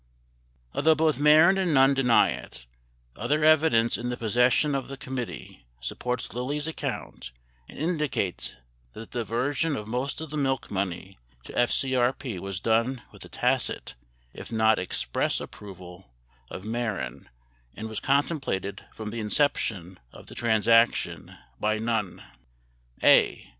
7 Although both Mehren and Nunn deny it, other evidence in the possession of the com mittee supports Lilly's account and indicates that the diversion of most of the milk money to FCRP was done with the tacit, if not express, approval of Mehren and w T as contemplated from the inception of the transaction by Nunn. a.